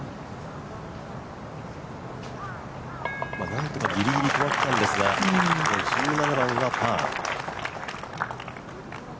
なんとかギリギリ止まったんですが１７番がパー。